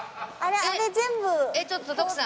えっちょっと徳さん